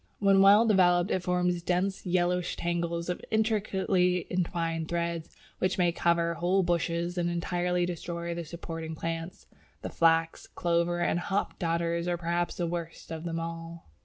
When well developed it forms dense yellowish tangles of intricately entwined threads, which may cover whole bushes and entirely destroy the supporting plants. The Flax, Clover, and Hop Dodders are perhaps the worst of them all.